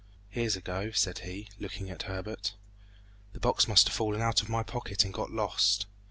"Here's a go!" said he, looking at Herbert. "The box must have fallen out of my pocket and got lost!